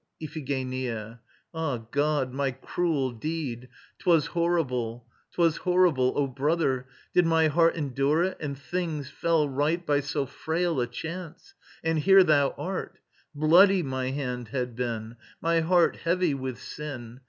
IPHIGENIA. Ah God, my cruel deed! ... 'Twas horrible. 'Twas horrible ... O brother! Did my heart Endure it? ... And things fell Right by so frail a chance; and here thou art. Bloody my hand had been, My heart heavy with sin.